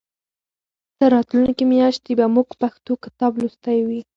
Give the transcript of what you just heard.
تر راتلونکې میاشتې به موږ پښتو کتاب لوستی وي.